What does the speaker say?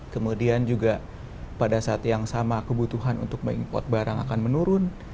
kemudian juga pada saat yang sama kebutuhan untuk mengimport barang akan menurun